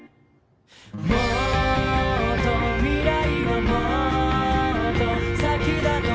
もっと未来はもっと先だと